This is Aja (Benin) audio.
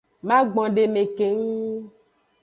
Magbondeme keng.